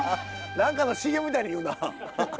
何かのＣＭみたいに言うな。